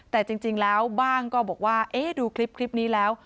แต่จริงแล้วบ้างก็บอกว่าเอ๊ะดูคลิปนี้แล้ว